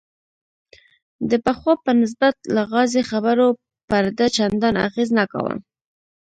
د پخوا په نسبت لغازي خبرو پر ده چندان اغېز نه کاوه.